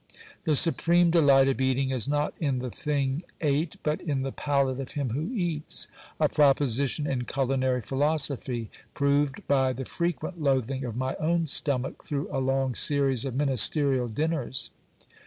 The supreme delight of eating is not in the thing ate, but in the palate of him who eats ; a proposition in culinary philosophy, proved by the frequent loathing of my own stomach, through a long series of ministerial dinners.